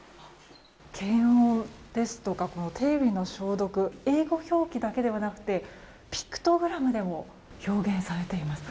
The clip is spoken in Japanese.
検温ですとか手指の消毒英語表記だけではなくてピクトグラムでも表現されています。